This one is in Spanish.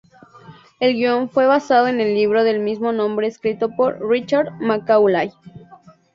El guion fue basado en el libro del mismo nombre escrito por Richard Macaulay.